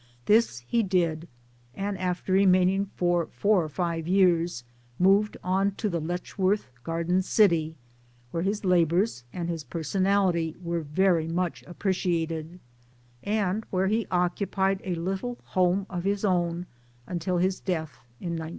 This he did ; and after remaining for four or five years moved on to the Letchworth Garden City where his labours and his personality were much appreciated,' and where he occupied a little home of his own until his death in 1910.